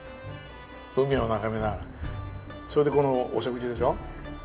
海を眺めながらそれでこのお食事でしょ？